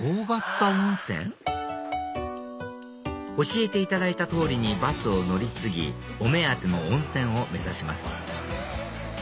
教えていただいた通りにバスを乗り継ぎお目当ての温泉を目指します